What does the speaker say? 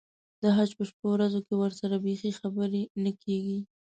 د حج په شپو ورځو کې ورسره بیخي خبرې نه کېږي.